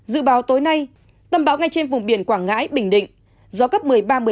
dự báo tối nay tâm bão ngay trên vùng biển quảng ngãi bình định gió cấp một mươi ba một mươi năm